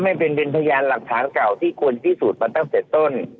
มันเป็นเป็นพยานหลักฐานเก่าที่ควรพิสูจน์มาตั้งแต่ต้น